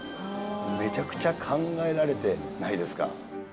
めちゃくちゃ考えられてないですか。